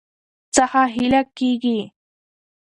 څخه هيله کيږي